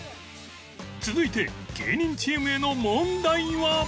続いて芸人チームへの問題は